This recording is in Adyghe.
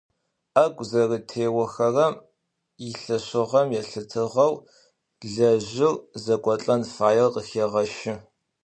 Ӏэгу зэрэтеохэрэм илъэшыгъэ елъытыгъэу лэжъыр зэкӏолӏэн фаер къыхегъэщы.